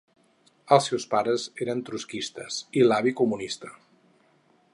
Els seus pares eren trotskistes i l'avi, comunista.